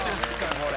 これ。